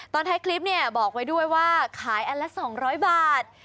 ตอนท้ายคลิปบอกไว้ด้วยว่าขายอันละ๒๐๐บาท